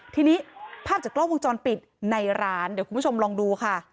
ทีนี้ภาพจากกล้องวงจรปิดในร้านเดี๋ยวคุณผู้ชมลองดูค่ะ